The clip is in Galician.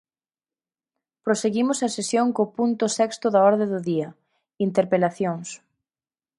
Proseguimos a sesión co punto sexto da orde do día, interpelacións.